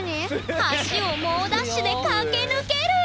橋を猛ダッシュで駆け抜ける！